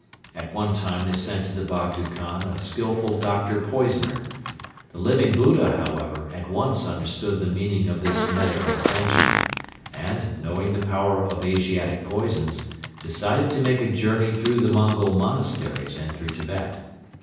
At one time they sent to the Bogdo Khan a skilful doctor poisoner. The Living Buddha, however, at once understood the meaning of this medical attention and, knowing the power of Asiatic poisons, decided to make a journey through the Mongol monasteries and through Tibet.